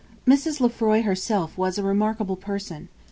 Mrs. Lefroy herself was a remarkable person.